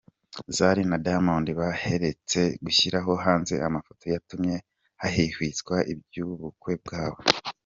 Zari na Diamond baherutse gushyira hanze amafoto yatumye hahwihwiswa iby’ubukwe bwabo.